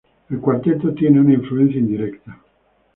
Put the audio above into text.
El cuarteto tiene una influencia indirecta.